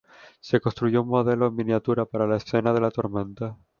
Se construyó un modelo en miniatura para la escena de la tormenta.